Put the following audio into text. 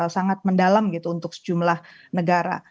sangat mendalam gitu untuk sejumlah negara